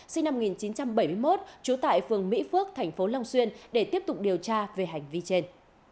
sinh năm một nghìn chín trăm bảy mươi một trú tại phường mỹ phước tp long xuyên để tiếp tục điều tra về hành vi trên